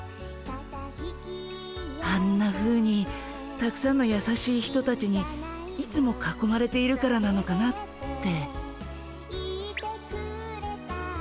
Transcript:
あんなふうにたくさんのやさしい人たちにいつもかこまれているからなのかなって。